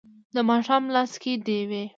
د ماښام لاس کې ډیوې